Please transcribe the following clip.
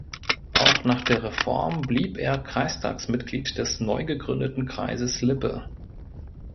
Auch nach der Reform blieb er Kreistagsmitglied des neugegründeten Kreises Lippe.